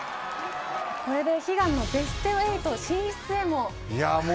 これで悲願のベスト８進出へも。